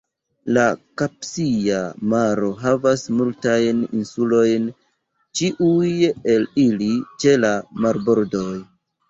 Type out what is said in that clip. La Kaspia Maro havas multajn insulojn, ĉiuj el ili ĉe la marbordoj.